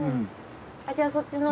じゃあそっちの。